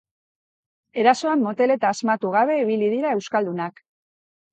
Erasoan motel eta asmatu gabe ibili dira euskaldunak.